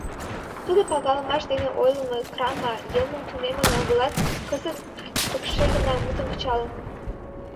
Тудо пагалымаш дене ойлымо “крама” йылмым тунемын огылат, кызыт пыкше гына мутым кычалын.